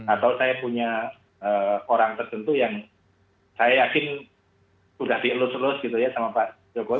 atau saya punya orang tertentu yang saya yakin sudah dielus elus gitu ya sama pak jokowi